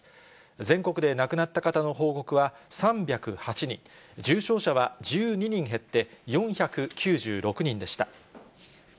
全国で亡くなった方の報告は３０８人、重症者は１２人減って４９６人でした。